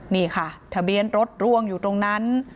นี่ค่ะทะเบียนรถร่วงอยู่ตรงนั้น